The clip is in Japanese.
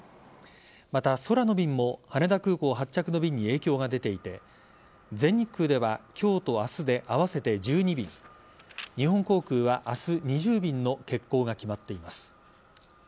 また、空の便も羽田空港発着の便に影響が出ていて全日空では今日と明日で合わせて１２便日本航空は明日２０便の欠航が決まっています。